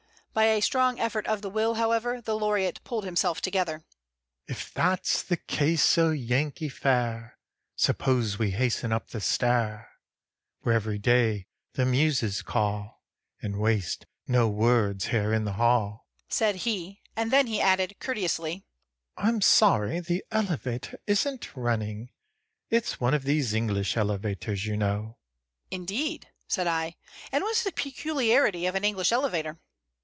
By a strong effort of the will, however, the laureate pulled himself together. "If that's the case, O Yankee fair, Suppose we hasten up the stair, Where every day the Muses call, And waste no words here in the hall," said he. And then he added, courteously: "I am sorry the elevator isn't running. It's one of these English elevators, you know." "Indeed?" said I. "And what is the peculiarity of an English elevator?"